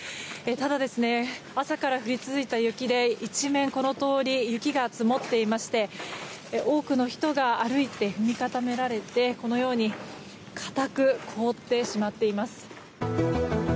ただ、朝から降り続いた雪で一面、この通り雪が積もっていまして多くの人が歩いて踏み固められてかたく凍ってしまっています。